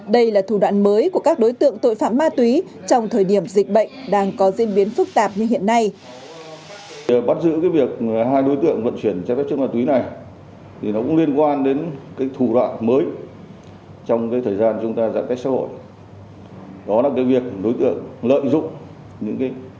đây là thủ đoạn mới của các đối tượng tội phạm ma túy trong thời điểm dịch bệnh đang có diễn biến phức tạp như hiện nay